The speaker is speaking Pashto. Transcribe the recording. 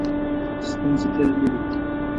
ستونزې تل نه وي .